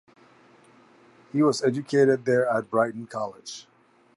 He was educated there at Brighton College.